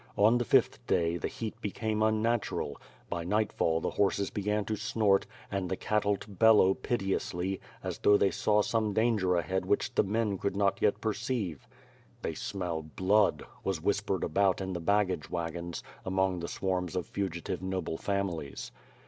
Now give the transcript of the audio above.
On the fifth day, the heat became unnatural. By nightfall, the horses began to snort, and the cattle to bellow piteously, as though they saw some danger ahead which the men could not yet perceive. "They smell blood," was whispered about in the baggage wagons, among the swarms of fugitive noble families.